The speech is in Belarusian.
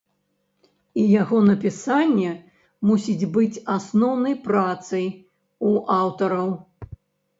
І яго напісанне мусіць быць асноўнай працай у аўтараў.